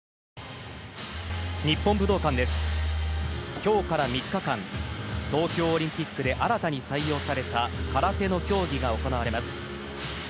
今日から３日間東京オリンピックで新たに採用された空手の競技が行われます。